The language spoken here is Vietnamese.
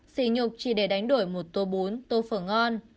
xỉ nhục chỉ để đánh đổi một tô bún tô phổ ngon